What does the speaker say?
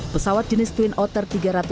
pesawat jenis twin otter tiga ratus pkotw miliknya